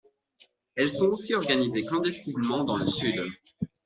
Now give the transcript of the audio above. Elles sont aussi organisées clandestinement dans le sud.